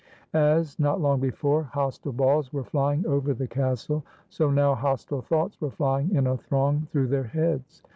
As, not long before, hostile balls were flying over the castle, so now hostile thoughts were flying in a throng through their heads.